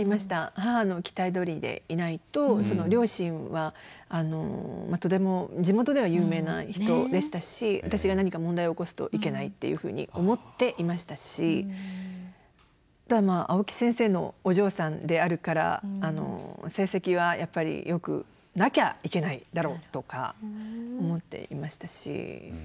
母の期待どおりでいないと両親はとても地元では有名な人でしたし私が何か問題を起こすといけないっていうふうに思っていましたしあとは青木先生のお嬢さんであるから成績はやっぱりよくなきゃいけないだろうとか思っていましたし。